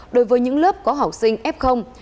đối với những lớp có học sinh f